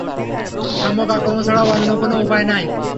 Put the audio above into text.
সম্মুখ আক্রমণ ছাড়া অন্য কোন উপায় নাই।